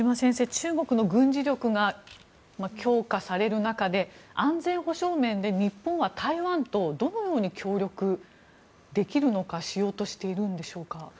中国の軍事力が強化される中で安全保障面で日本は台湾とどのように協力できるのかしようとしているんでしょうか。